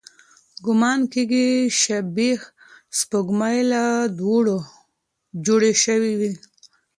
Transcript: ګومان کېږي، شبح سپوږمۍ له دوړو جوړې شوې وي.